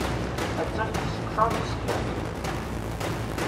Attan tesseqcaṛ tiskert.